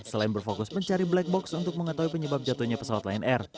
selain berfokus mencari black box untuk mengetahui penyebab jatuhnya pesawat lion air